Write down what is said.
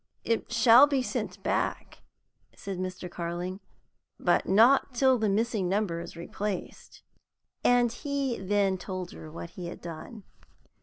"It shall be sent back," said Mr. Carling, "but not till the missing number is replaced." And he then told her what he had done.